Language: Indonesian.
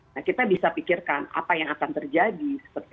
nah kita bisa pikirkan apa yang akan terjadi